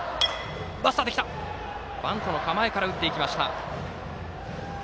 バントの構えから打っていきました。